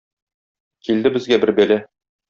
Килде безгә бер бәла.